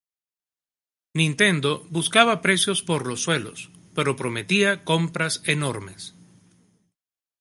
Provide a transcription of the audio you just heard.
Nintendo buscaba precios por los suelos, pero prometía compras enormes.